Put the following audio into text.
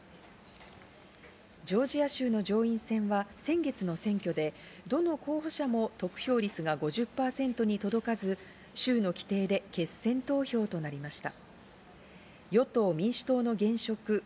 ジョージア州の上院選は先月の選挙でどの候補者も得票率が５０％に届かず、州の規定で決選投票となりました。